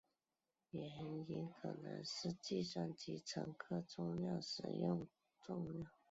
原因可能是计算乘客重量时用的是估计重量。